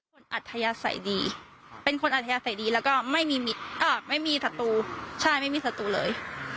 อัธยาศัยดีเป็นคนอัธยาศัยดีแล้วก็ไม่มีศัตรูใช่ไม่มีศัตรูเลย